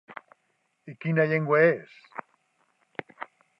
I quina llengua és?